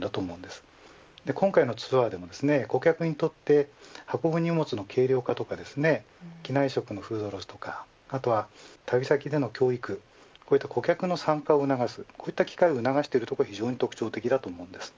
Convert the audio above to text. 今回のツアーでも、顧客にとって運ぶ荷物の軽量化とか機内食のフードロスとか旅先での教育など顧客参加を促しているところが特徴的です。